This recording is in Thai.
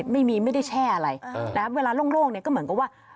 ไม่มีไม่ได้แช่อะไรแต่ครับเวลาโล่งเนี่ยก็เหมือนกับว่า